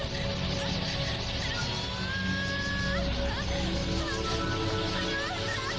tidak usah lari